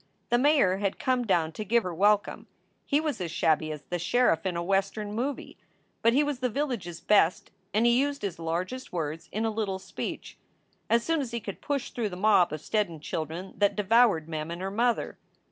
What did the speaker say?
The mayor had come down to give her wel come. He was as shabby as the sheriff in a Western movie, but he was the village s best, and he used his largest words in a little speech, as soon as he could push through the mob of Steddon children that devoured Mem and their mother.